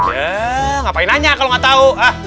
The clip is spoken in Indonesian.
ya ngapain nanya kalau nggak tahu